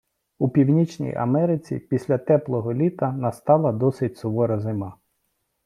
У Північній Америці після теплого літа настала досить сувора зима.